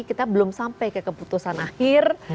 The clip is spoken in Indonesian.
kita belum sampai ke keputusan akhir